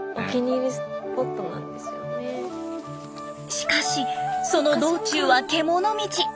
しかしその道中は獣道。